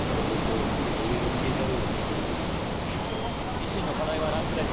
自身の課題はラップです。